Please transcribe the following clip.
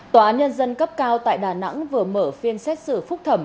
tòa án nhân dân cấp cao tại đà nẵng vừa mở phiên xét xử phúc thẩm